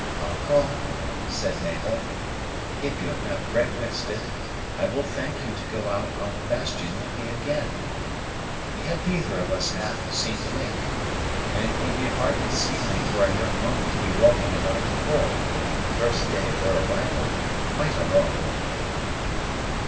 "Uncle;" said Mabel, "if you have breakfasted, I will thank you to go out upon the bastion with me again. We have neither of us half seen the lake, and it would be hardly seemly for a young woman to be walking about the fort, the first day of her arrival, quite alone."